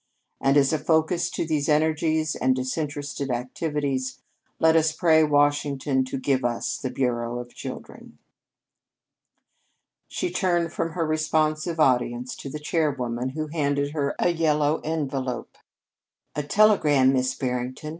And as a focus to these energies and disinterested activities, let us pray Washington to give us the Bureau of Children." She turned from her responsive audience to the chairwoman, who handed her a yellow envelope. "A telegram, Miss Barrington.